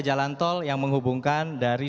jalan tol yang menghubungkan dari